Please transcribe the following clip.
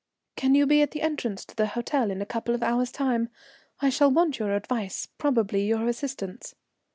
"Can you be at the entrance to the hotel in a couple of hours' time? I shall want your advice, probably your assistance."